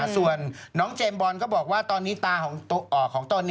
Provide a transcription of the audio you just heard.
ส่วนน้องเจมส์บอลก็บอกว่าตอนนี้ตาของตน